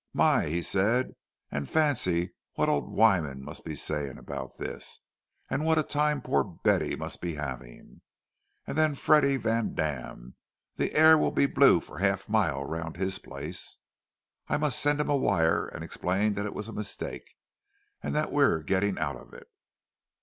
"My!" he said.—"And fancy what old Wyman must be saying about this! And what a time poor Betty must be having! And then Freddie Vandam—the air will be blue for half a mile round his place! I must send him a wire and explain that it was a mistake, and that we're getting out of it."